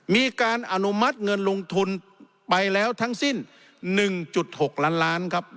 มีการอนุมัติเงินลงทุนไปแล้วทั้งสิ้น๑๖ล้านล้านครับ